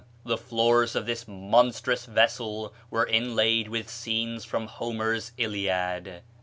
The floors of this monstrous vessel were inlaid with scenes from Homer's 'Iliad.'"